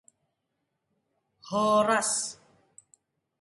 begitulah cara orang membuat tapai